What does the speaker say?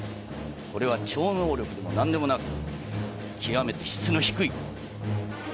これは超能力でも何でもなく極めて質の低い隠し芸です。